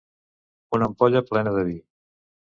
Una ampolla plena de vi.